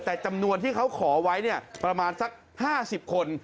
แต่จำนวนที่เขาขอไว้ประมาณสัก๕๐คน